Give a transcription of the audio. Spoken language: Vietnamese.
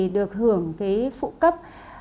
được hưởng phụ cấp